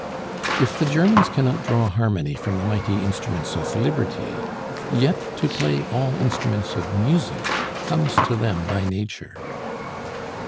If the Germans cannot draw harmony from the mighty instruments of Liberty, yet to play all instruments of music comes to them by nature.